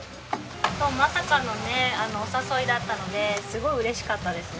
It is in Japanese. そうまさかのねお誘いだったのですごい嬉しかったですね。